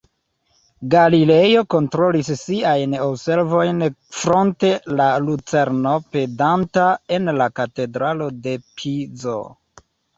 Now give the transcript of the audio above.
Galilejo kontrolis siajn observojn fronte la lucerno pendanta en la Katedralo de Pizo.